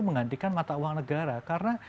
menggantikan mata uang negara karena